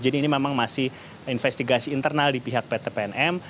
jadi ini memang masih investigasi internal di pihak pt pnm